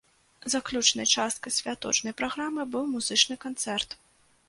Заключнай часткай святочнай праграмы быў музычны канцэрт.